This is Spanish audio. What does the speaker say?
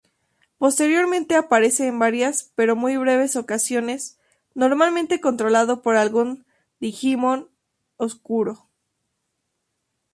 Posteriormente aparece en varias pero muy breves ocasiones, normalmente controlado por algún digimon oscuro.